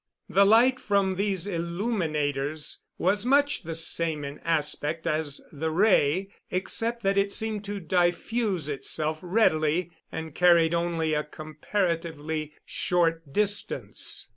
The light from these illuminators was much the same in aspect as the ray, except that it seemed to diffuse itself readily and carried only a comparatively short distance.